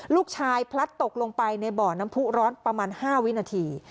พลัดตกลงไปในบ่อน้ำผู้ร้อนประมาณ๕วินาที